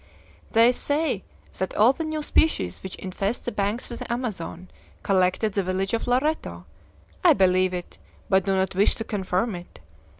"They say that all the new species which infest the banks of the Amazon collect at the village of Loreto. I believe it, but do not wish to confirm it.